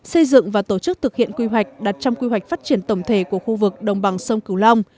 xây dựng và tổ chức thực hiện quy hoạch đặt trong quy hoạch phát triển tổng thể của khu vực đồng bằng sông cửu long